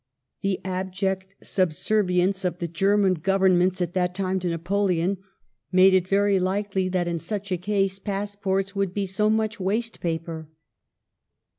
The abject subservience of the German Governments at that time to Napoleon made it very likely that in such a case passports would be so much waste paper.